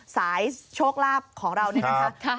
สายโชคลาภของเราเนี่ยกันค่ะ